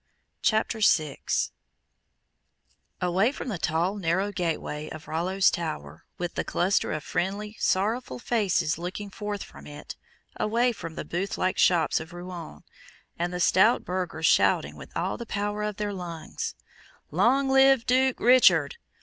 CHAPTER VI Away from the tall narrow gateway of Rollo's Tower, with the cluster of friendly, sorrowful faces looking forth from it, away from the booth like shops of Rouen, and the stout burghers shouting with all the power of their lungs, "Long live Duke Richard!